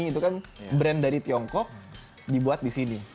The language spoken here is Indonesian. itu kan brand dari tiongkok dibuat di sini